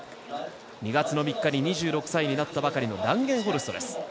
２月３日に２６歳になったばかりランゲンホルストです。